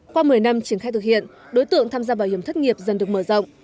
qua một mươi năm triển khai thực hiện đối tượng tham gia bảo hiểm thất nghiệp dần được mở rộng